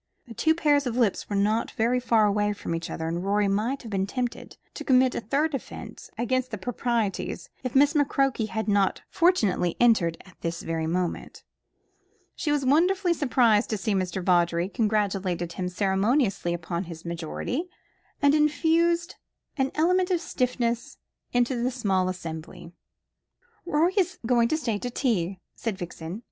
The two pairs of lips were not very far away from each other, and Rorie might have been tempted to commit a third offence against the proprieties, if Miss McCroke had not fortunately entered at this very moment. She was wonderfully surprised at seeing Mr. Vawdrey, congratulated him ceremoniously upon his majority, and infused an element of stiffness into the small assembly. "Rorie is going to stay to tea," said Vixen.